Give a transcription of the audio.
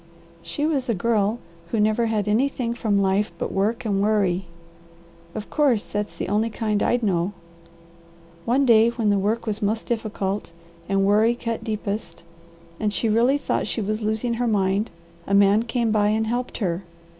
"She was a girl who never had anything from life but work and worry. Of course, that's the only kind I'd know! One day when the work was most difficult, and worry cut deepest, and she really thought she was losing her mind, a man came by and helped her.